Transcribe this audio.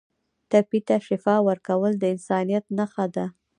ټپي ته شفا ورکول د انسانیت نښه ده.